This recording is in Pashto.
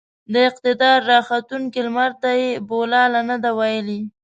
د اقتدار راختونکي لمرته يې بولـله نه ده ويلې.